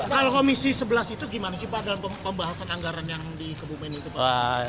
kalau komisi sebelas itu gimana sih pak dalam pembahasan anggaran yang di kebumen itu pak